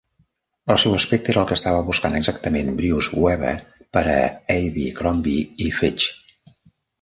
El seu aspecte era el que estava buscant exactament Bruce Weber per a Abecrombie i Fitch.